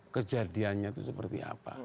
kejadiannya itu seperti apa